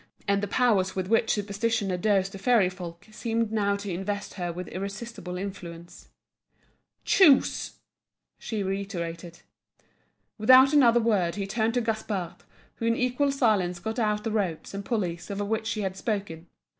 and the powers with which superstition endows the fairy folk seemed now to invest her with irresistible influence. "Choose!" she reiterated. Without another word he turned to Gaspard, who in equal silence got out the ropes and pulleys of which she had spoken.